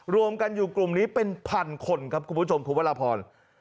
รวมกันอยู่กลุ่มนี้เป็นพันคนครับคุณผู้ชมคุณวรพร